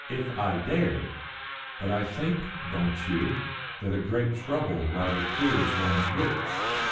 If I dared! But I think don't you? that a great trouble rather clears one's wits.